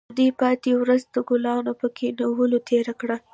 نو دوی پاتې ورځ د ګلانو په کینولو تیره کړه